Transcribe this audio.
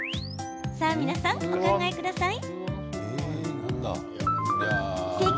さあ、皆さんお考えください。